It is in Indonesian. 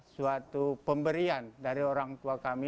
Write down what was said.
suatu pemberian dari orang tua kami